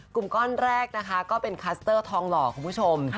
กลุ่มก้อนแรกนะคะก็เป็นคัสเตอร์ทองหล่อคุณผู้ชม